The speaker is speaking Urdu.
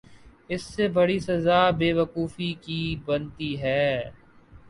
اس سے بڑی سزا بے وقوفی کی بنتی ہے۔